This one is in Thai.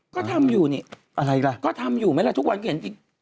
ก็ทำอยู่นี่อะไรอีกล่ะก็ทำอยู่ไหมล่ะทุกวันเพียง